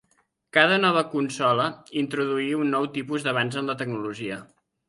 Cada nova consola introduir un nou tipus d'avanç en la tecnologia.